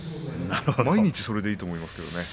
毎日それでいいと思いますけどね。